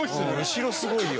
後ろすごいよ。